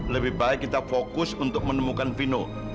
lebih baik kita fokus untuk menemukan fino